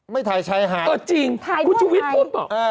ไม่ถ่ายชายหาดเออจริงถ่ายด้วยไงคุณชุวิตพูดบอกอ่า